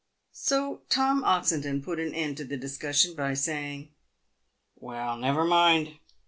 So Tom Oxendon put an end to the discus sion by saying, " Well, never mind.